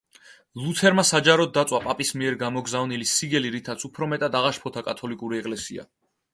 ლუთერმა საჯაროდ დაწვა პაპის მიერ გამოგზავნილი სიგელი, რითაც უფრო მეტად აღაშფოთა კათოლიკური ეკლესია.